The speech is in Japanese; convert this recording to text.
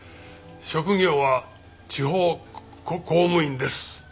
職業は地方公務員です。